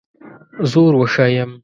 زور وښیم.